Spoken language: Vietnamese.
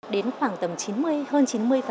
đến khoảng tầm chín mươi hơn chín mươi